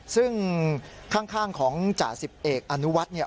ซึ่งข้างของจ่าสิบเอกอนุวัติ